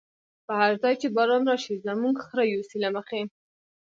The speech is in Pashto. په هر ځای چی باران راشی، زموږ خره يوسی له مخی